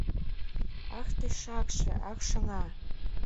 «Ах, тый шакше, ах, шыҥа